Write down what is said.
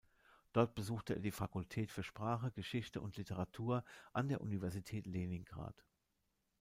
Dort besuchte er die Fakultät für Sprache, Geschichte und Literatur an der Universität Leningrad.